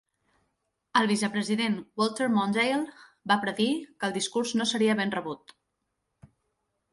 El vicepresident Walter Mondale va predir que el discurs no seria ben rebut.